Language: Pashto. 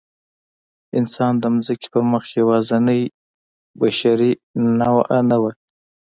انسان د ځمکې پر مخ یواځینۍ بشري نوعه نه وه.